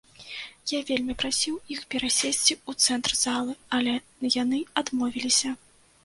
Я вельмі прасіў іх перасесці ў цэнтр залы, але яны адмовіліся.